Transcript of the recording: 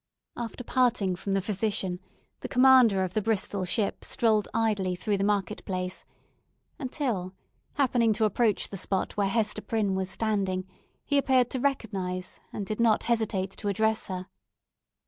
After parting from the physician, the commander of the Bristol ship strolled idly through the market place; until happening to approach the spot where Hester Prynne was standing, he appeared to recognise, and did not hesitate to address her.